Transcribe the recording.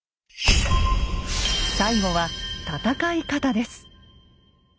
最後は戦い方です。